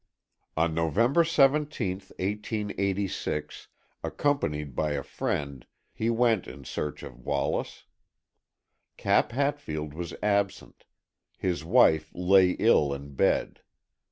On November 17th, 1886, accompanied by a friend, he went in search of Wallace. Cap Hatfield was absent; his wife lay ill in bed.